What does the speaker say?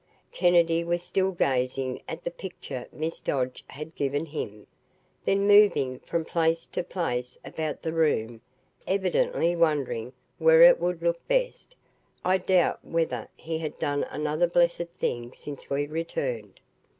Kennedy was still gazing at the picture Miss Dodge had given him, then moving from place to place about the room, evidently wondering where it would look best. I doubt whether he had done another blessed thing since we returned.